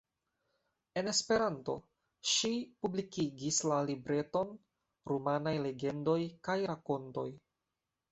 En Esperanto, ŝi publikigis la libreton "Rumanaj legendoj kaj rakontoj".